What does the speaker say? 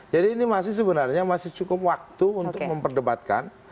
jadi ini masih sebenarnya masih cukup waktu untuk memperdebatkan